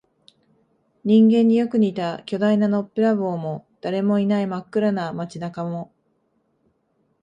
人間によく似た巨大なのっぺらぼうも、誰もいない真っ暗な街中も、